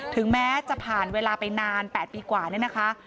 ถึงแม้จะผ่านเวลาไปนาน๘ปีกว่าเนี่ยนะคะ